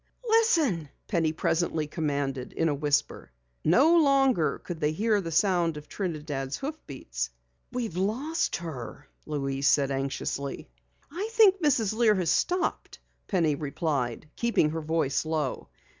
"Listen!" Penny presently commanded in a whisper. No longer could they hear the sound of Trinidad's hoofbeats. "We've lost her," Louise said anxiously. "I think Mrs. Lear has stopped," Penny replied, keeping her voice low.